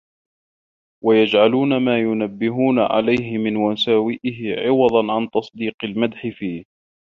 وَيَجْعَلُونَ مَا يُنَبِّهُونَهُ عَلَيْهِ مِنْ مَسَاوِئِهِ عِوَضًا عَنْ تَصْدِيقِ الْمَدْحِ فِيهِ